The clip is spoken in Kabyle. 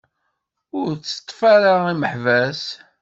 Ur tteṭṭfet ara imeḥbas!